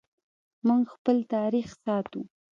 موږ خپل تاریخ ساتو